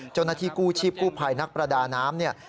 เจ้าหน้าที่กู้ชีพกู้ภัยนักประดาน้ำเนี่ย